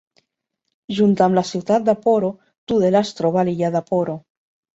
Junt amb la ciutat de Poro, Tudela es troba a l'illa de Poro.